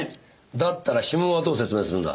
だったら指紋はどう説明するんだ？